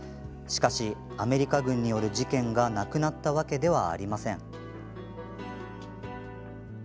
しかし、アメリカ軍による事件がなくなったわけではありません。